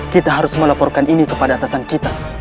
kita harus melaporkan ini kepada atasan kita